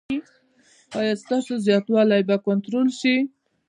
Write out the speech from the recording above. ایا ستاسو زیاتوالی به کنټرول شي؟